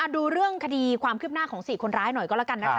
ดูเรื่องคดีความคืบหน้าของ๔คนร้ายหน่อยก็แล้วกันนะคะ